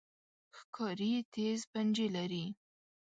ښکاري تیز پنجې لري.